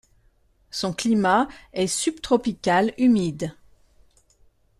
Son climat est subtropical humide.